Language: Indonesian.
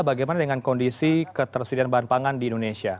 bagaimana dengan kondisi ketersediaan bahan pangan di indonesia